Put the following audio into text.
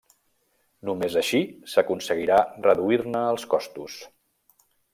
Només així s'aconseguirà reduir-ne els costos.